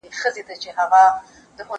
زه اوس د ښوونځی لپاره تياری کوم!؟